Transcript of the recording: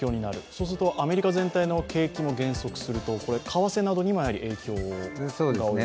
そうするとアメリカ全体の景気も減速すると為替などにも影響が及びますよね。